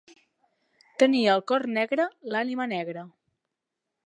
Tenir el cor negre, l'ànima negra.